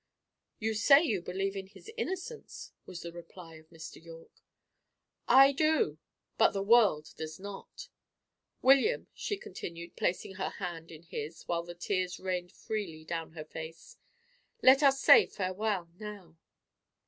"You say you believe in his innocence," was the reply of Mr. Yorke. "I do. But the world does not. William," she continued, placing her hand in his, while the tears rained freely down her face, "let us say farewell now."